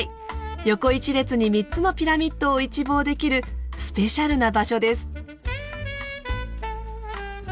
横一列に３つのピラミッドを一望できるスペシャルな場所です。